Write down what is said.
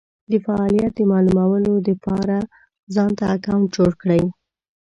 دفعالیت د مالومولو دپاره ځانته اکونټ جوړ کړی